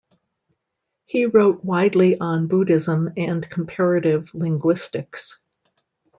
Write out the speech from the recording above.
He wrote widely on Buddhism and comparative linguistics.